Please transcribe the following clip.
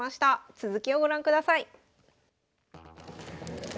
続きをご覧ください。